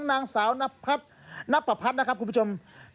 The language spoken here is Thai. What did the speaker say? นางสาวนับพัดนะครับคุณผู้ชม